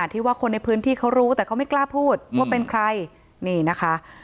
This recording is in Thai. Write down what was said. ที่ว่าคนในพื้นที่เขารู้แต่เขาไม่กล้าพูดว่าเป็นใครนี่นะคะ